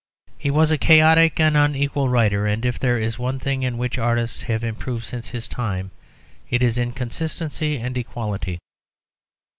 He was a chaotic and unequal writer, and if there is one thing in which artists have improved since his time, it is in consistency and equality.